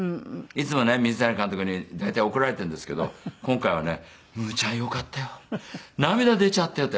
いつもね水谷監督に大体怒られているんですけど今回はね「むーちゃんよかったよ」「涙出ちゃったよ」